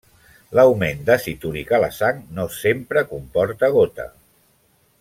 L'augment d'àcid úric a la sang no sempre comporta gota.